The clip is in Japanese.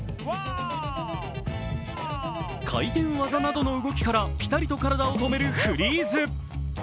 回転技などの動きからピタリと体を止めるフリーズ。